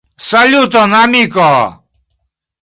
Saluton, amiko!